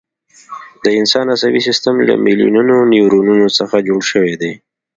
د انسان عصبي سیستم له میلیونونو نیورونونو څخه جوړ شوی دی.